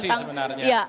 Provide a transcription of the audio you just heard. seorang politisi sebenarnya